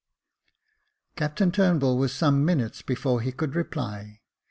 Captain Turnbull was some minutes before he could reply.